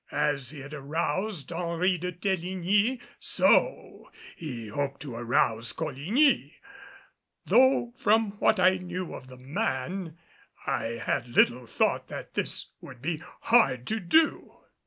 As he had aroused Henri de Teligny, so he hoped to arouse Coligny; though from what I knew of the man I had little thought that this would be hard to do.